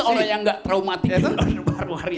orang yang tidak traumatik juga baru hari ini